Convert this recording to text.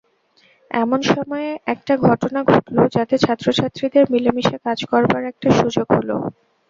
এমন সময়ে একটা ঘটনা ঘটল যাতে ছাত্রছাত্রীদের মিলেমিশে কাজ করবার একটা সুযোগ হল।